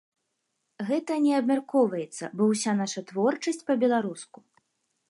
Гэта не абмяркоўваецца, бо ўся наша творчасць па-беларуску.